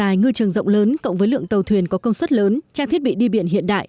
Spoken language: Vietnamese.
dài ngư trường rộng lớn cộng với lượng tàu thuyền có công suất lớn trang thiết bị đi biển hiện đại